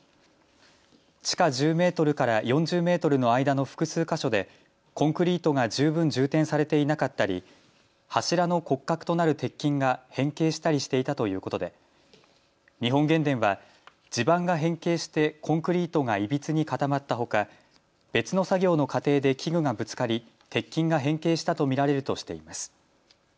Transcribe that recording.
地下１０メートルから４０メートルの間の複数箇所でコンクリートが十分充填されていなかったり、柱の骨格となる鉄筋が変形したりしていたということで日本原電は地盤が変形してコンクリートがいびつに固まったほか、別の作業の過程で機具がぶつかり鉄筋が変形したと見られるとしています。